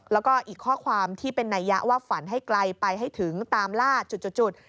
แล้วก็อีกข้อความที่เป็นนัยยะว่าฝันให้ไกลไปให้ถึงตามล่าจุด